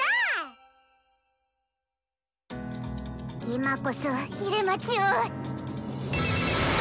今こそ入間ちを。